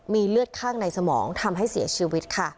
มีเลือดข้างในสมองทำให้เสียชีวิตค่ะ